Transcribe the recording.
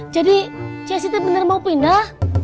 jadi cik siti bener mau pindah